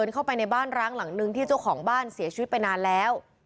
เข้าไปในบ้านร้างหลังนึงที่เจ้าของบ้านเสียชีวิตไปนานแล้ว